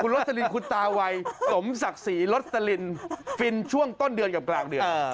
โรสลินคุณตาวัยสมศักดิ์ศรีรสลินฟินช่วงต้นเดือนกับกลางเดือน